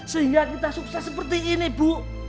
sehingga kita sukses seperti ini bu